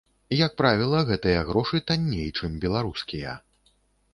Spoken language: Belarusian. Як правіла, гэтыя грошы танней, чым беларускія.